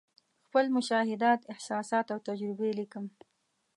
خپل مشاهدات، احساسات او تجربې لیکم.